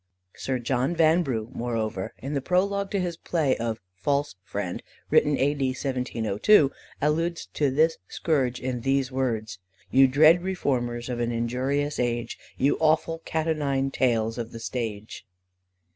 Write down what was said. Sir John Vanbrugh, moreover, in the prologue to his play of the False Friend (written A.D. 1702), alludes to this scourge in these words: "You dread reformers of an injurious age, You awful cat o' nine tails of the stage."